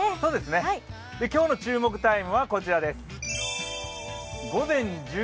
今日の注目タイムはこちらです。